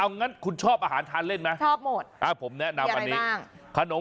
เอ้างั้นคุณชอบอาหารทานเล่นไหมชอบหมดผมแนะนำอันนี้มีอะไรบ้าง